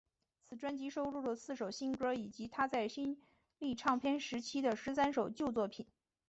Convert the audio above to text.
此专辑收录了四首新歌以及她在新力唱片时期的十三首旧作品。